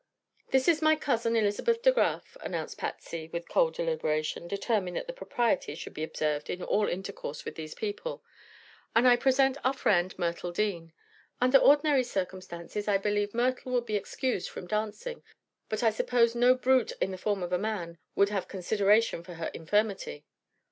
"This is my cousin, Elizabeth De Graf," announced Patsy, with cold deliberation, determined that the proprieties should be observed in all intercourse with these people. "And I present our friend, Myrtle Dean. Under ordinary circumstances I believe Myrtle would be excused from dancing, but I suppose no brute in the form of a man would have consideration for her infirmity."